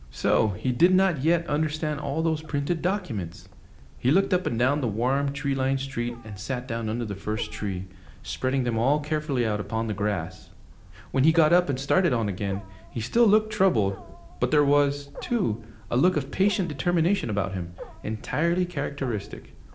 So he did not yet understand all those printed documents! He looked up and down the warm, tree lined street, and sat down under the first tree, spreading them all carefully out upon the grass. When he got up and started on again, he still looked troubled, but there was, too, a look of patient determination about him entirely characteristic.